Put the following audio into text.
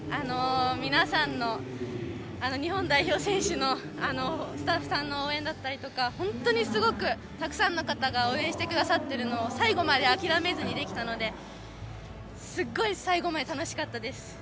皆さんの日本代表選手のスタッフさんの応援だったりとか本当にすごくたくさんの方が応援してくださっているのを最後まで諦めずにできたのですごい最後まで楽しかったです。